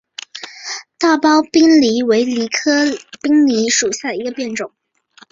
大苞滨藜为藜科滨藜属下的一个变种。